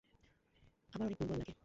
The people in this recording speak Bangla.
আমার অনেক দুর্বল লাগে।